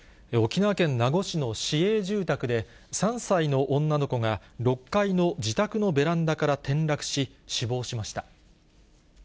沖縄県名護市の市営住宅で、３歳の女の子が６階の自宅のベランダから転落し、死亡しました。